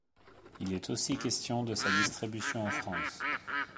Il est aussi question de sa distribution en France.